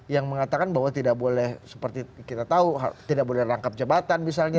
yang mengatakan bahwa tidak boleh seperti kita tahu tidak boleh rangkap jabatan misalnya